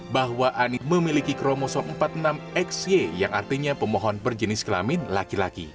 bahwa anik memiliki kromoso empat puluh enam xy yang artinya pemohon berjenis kelamin laki laki